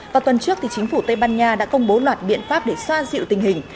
vào tuần trước chính phủ tây ban nha đã công bố loạt biện pháp để xoa dịu tình hình